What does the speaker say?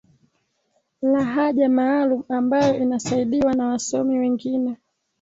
lahaja maalum ambayo inasaidiwa na wasomi wengine